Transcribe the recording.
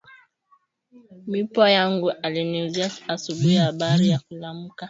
Mwipwa yangu aliniuliza asubui abari ya kulamuka